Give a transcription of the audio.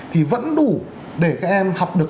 thì vẫn đủ để các em học được